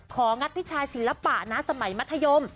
งัดพี่ชายศิลปะนะสมัยมัธยม